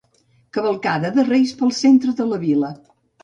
Cavalcada de Reis pel centre de la vila.